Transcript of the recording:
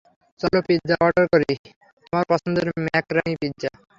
চলো pizza order করি, তোমার পছন্দের ম্যাকারনি পিজ্জা।